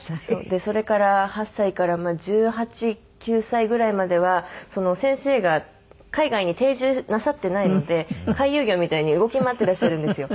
でそれから８歳から１８１９歳ぐらいまでは先生が海外に定住なさってないので回遊魚みたいに動き回ってらっしゃるんですよ。